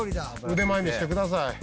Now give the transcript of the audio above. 腕前見せてください。